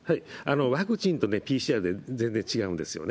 ワクチンとＰＣＲで全然違うんですよね。